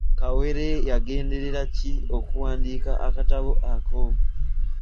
Kawere yagenderera ki okuwandiika akatabo ako?